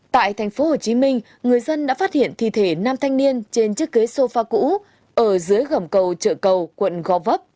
tại thành phố hồ chí minh người dân đã phát hiện thi thể nam thanh niên trên chiếc ghế sofa cũ ở dưới gầm cầu trợ cầu quận gò vấp